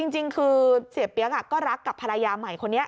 จริงคือเสียเปี๊ยกก็รักกับภรรยาใหม่คนนี้